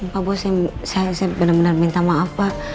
pak bos saya bener bener minta maaf pak